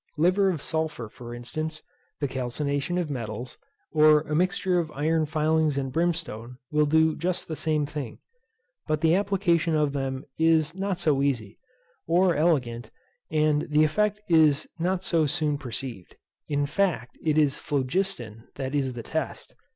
Liver of sulphur for instance, the calcination of metals, or a mixture of iron filings and brimstone will do just the same thing; but the application of them is not so easy, or elegant, and the effect is not so soon perceived. In fact, it is phlogiston that is the test.